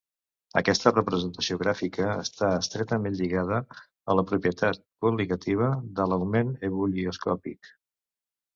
Aquesta representació gràfica està estretament lligada a la propietat col·ligativa de l'augment ebullioscòpic.